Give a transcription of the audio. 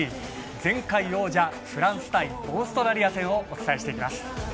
前回王者フランス対オーストラリア戦をお伝えしていきます。